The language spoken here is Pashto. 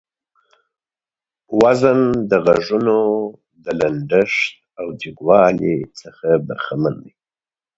وزن د غږونو د لنډښت او جګوالي څخه برخمن دى.